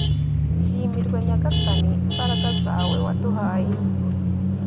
shimirwa nyagasani, imbaraga zawe waduhaye